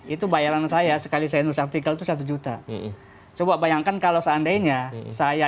itu bayaran saya sekali saya nulis artikel itu satu juta coba bayangkan kalau seandainya saya